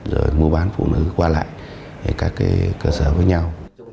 rồi mua bán phụ nữ qua lại các cơ sở với nhau